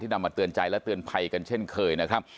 นำมาเตือนใจและเตือนภัยกันเช่นเคยนะครับ